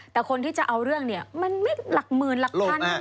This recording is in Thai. แต่คนที่จะเอาเรื่องเนี่ยมันไม่หลักหมื่นหลักพัน